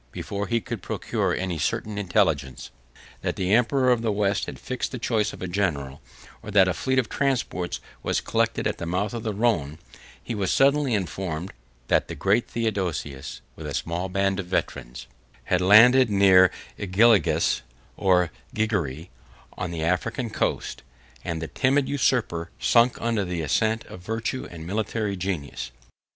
Before he could procure any certain intelligence, that the emperor of the West had fixed the choice of a general, or that a fleet of transports was collected at the mouth of the Rhone, he was suddenly informed that the great Theodosius, with a small band of veterans, had landed near Igilgilis, or Gigeri, on the African coast; and the timid usurper sunk under the ascendant of virtue and military genius.